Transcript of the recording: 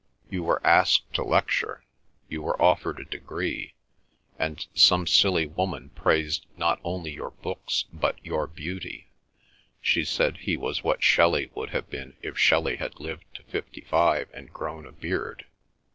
You were asked to lecture, you were offered a degree, and some silly woman praised not only your books but your beauty—she said he was what Shelley would have been if Shelley had lived to fifty five and grown a beard.